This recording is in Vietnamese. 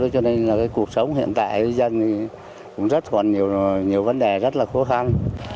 cho nên cuộc sống hiện tại của dân cũng còn nhiều vấn đề rất là khó khăn